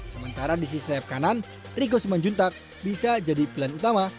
sementara di sisi sayap kanan riko sumanjuntak bisa jadi pelan utama